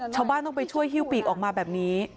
ชาวบ้านต้องไปช่วยฮิ้วปีกออกมาแบบนี้